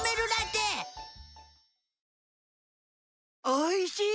おいしい！